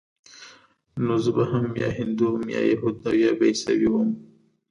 نو زه به هم يا هندو وم يا يهود او يا به عيسوى وم.